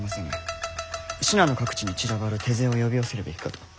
信濃各地に散らばる手勢を呼び寄せるべきかと。